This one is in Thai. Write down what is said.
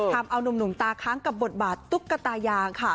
ทำเอานุ่มตาค้างกับบทบาทตุ๊กตายางค่ะ